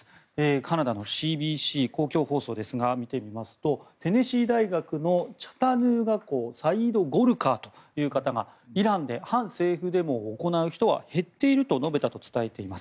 カナダのＣＢＣ、公共放送ですが見てみますとテネシー大学のチャタヌーガ校サイード・ゴルカーという方がイランで反政府デモを行う人は減っていると述べたと伝えています。